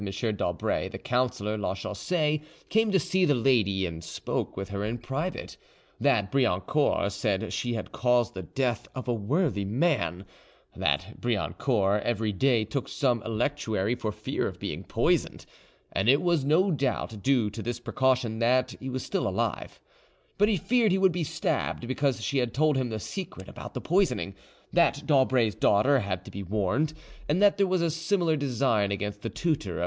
d'Aubray the councillor, Lachaussee came to see the lady and spoke with her in private; that Briancourt said she had caused the death of a worthy men; that Briancourt every day took some electuary for fear of being poisoned, and it was no doubt due to this precaution that he was still alive; but he feared he would be stabbed, because she had told him the secret about the poisoning; that d'Aubray's daughter had to be warned; and that there was a similar design against the tutor of M.